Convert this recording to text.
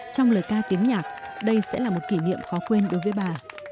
trong lời ca tiếng nhạc đây sẽ là một kỷ niệm khó quên đối với bà